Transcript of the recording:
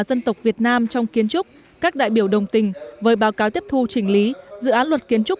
dân tộc việt nam trong kiến trúc các đại biểu đồng tình với báo cáo tiếp thu chỉnh lý dự án luật kiến trúc